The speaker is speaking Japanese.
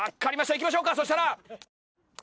いきましょうかそしたら。